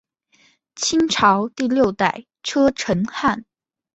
清朝第六代车臣汗。